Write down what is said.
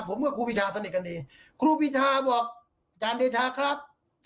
ผมก็ครูพิชาสนิทกันดีครูพิชาบอกจานเดชาครับ